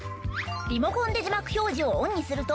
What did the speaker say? リモコンで字幕表示をオンにすると。